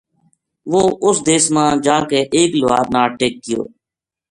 وہ اُس دیس ما جا کے ایک لوہار ناڑ ٹِک گیو